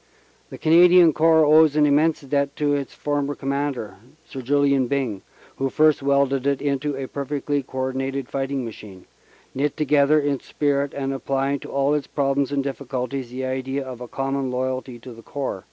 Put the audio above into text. The Canadian Corps owes an immense debt to its former Commander, Sir Julian Byng, who first welded it into a per fectly co ordinated fighting machine, knit together in spirit and applying to all its problems and difficulties the idea of a common loyalty to the Corps.